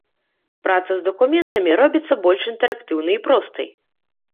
Праца з дакументамі робіцца больш інтэрактыўнай і простай.